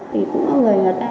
thì thường lại đấy là đưa thôi